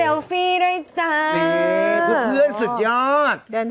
โอเค